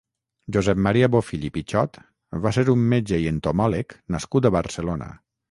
Josep Maria Bofill i Pichot va ser un metge i entomòleg nascut a Barcelona.